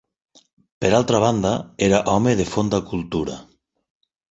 Per altra banda, era home de fonda cultura.